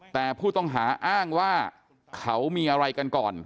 แต่ผู้ต้องหาอ้างว่าเขามีอะไรกันก่อน